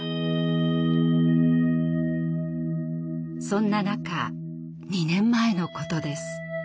そんな中２年前のことです。